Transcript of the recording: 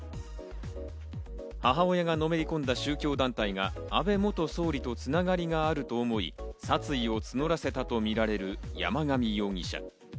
母親がのめり込んだ宗教団体が安倍元総理とつながりがあると思い、殺意を募らせたとみられる山上容疑者。